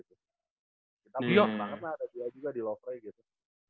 kita bener banget lah ada juga di lofre gitu